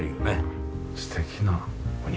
素敵なお庭。